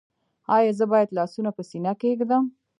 ایا زه باید لاسونه په سینه کیږدم؟